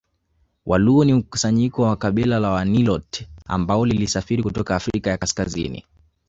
Waluo ni mkusanyiko wa kabila la Waniloti ambalo lilisafiri kutoka Afrika ya Kaskazini